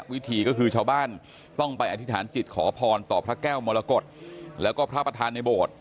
วิธีก็คือชาวบ้านต้องไปอธิษฐานจิตขอพรต่อพระแก้วมรกฏแล้วก็พระประธานในโบสถ์